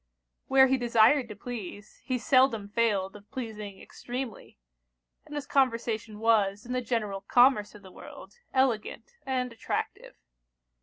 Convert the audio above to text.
Where he desired to please, he seldom failed of pleasing extremely; and his conversation was, in the general commerce of the world, elegant and attractive.